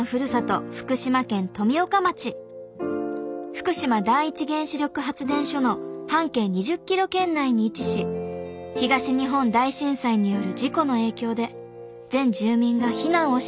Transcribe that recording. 福島第一原子力発電所の半径２０ｋｍ圏内に位置し東日本大震災による事故の影響で全住民が避難を強いられました。